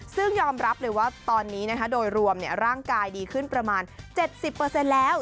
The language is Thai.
ซึ่งยอมรับเลยว่าตอนนี้โดยรวมร่างกายดีขึ้นประมาณ๗๐แล้ว